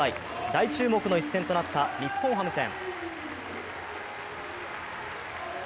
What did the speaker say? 大注目の一戦となった日本ハム戦。